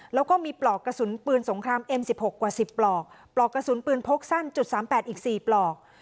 แล้วก็มีปลอกกระสุนปืนสงครามเอ็มสิบหกกว่า๑๐ปลอกปลอกกระสุนปืนพกสั้น๓๘อีก๔ปลอก